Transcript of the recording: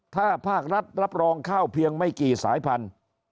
ถ้าภาครัฐรับรองข้าวเพียงไม่กี่สายพันธุ์